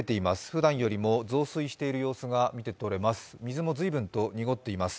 ふだんよりも増水している様子が見てとれます。